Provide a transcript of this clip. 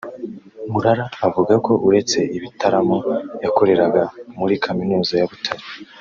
Murara avuga ko uretse ibitaramo yakoreraga muri kaminuza ya Butare